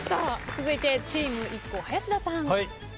続いてチームＩＫＫＯ林田さん。